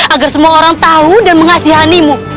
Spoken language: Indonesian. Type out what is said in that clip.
agar semua orang tahu dan mengasihanimu